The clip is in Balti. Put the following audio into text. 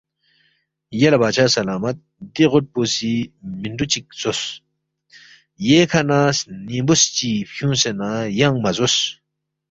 یلے بادشا سلامت دی غُوٹ پو سی مِنڈُو چِک زوس، ییکھہ نہ سنِنگبُوس چی فیُونگسے نہ ینگ مہ زوس